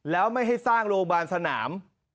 แล้วไม่ให้สร้างโรงพยาบาลสนาม